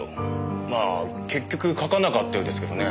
まあ結局書かなかったようですけどね。